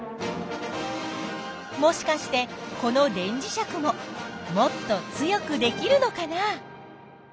もしかしてこの電磁石ももっと強くできるのかな？